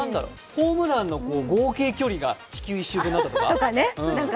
ホームランの合計距離が地球一周になったとか？